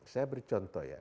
saya beri contoh ya